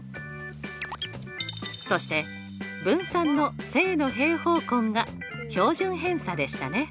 そして分散の正の平方根が標準偏差でしたね。